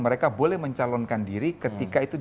mereka boleh mencalonkan diri ketika itu sudah ada suatu pengakuan